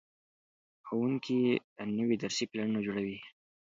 ښوونکي نوي درسي پلانونه جوړوي.